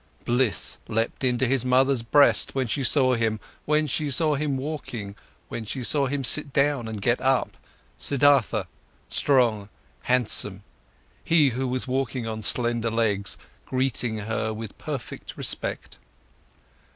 Bliss leapt in his mother's breast when she saw him, when she saw him walking, when she saw him sit down and get up, Siddhartha, strong, handsome, he who was walking on slender legs, greeting her with perfect respect.